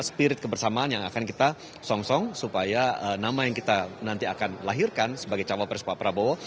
spirit kebersamaan yang akan kita song song supaya nama yang kita nanti akan lahirkan sebagai cawapres pak prabowo